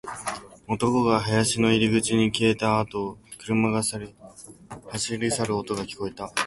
男が林の入り口に消えていったあと、車が走り去る音が聞こえた